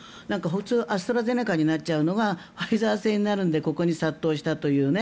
アストラゼネカになっちゃうのがファイザー製になるのでここに殺到したというね。